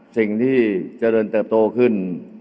สิ่งที่เจริญเติบโตขึ้น